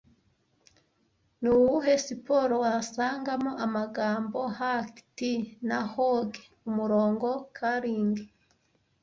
Nuwuhe siporo wasangamo amagambo hack, tee na hog umurongo Curling